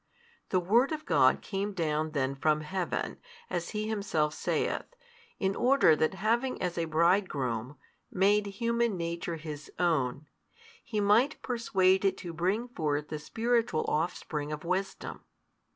The Word of God came down then from Heaven, as He Himself saith, in order that having as a Bridegroom, made human nature His own, He might persuade it to bring forth the spiritual offspring of Wisdom.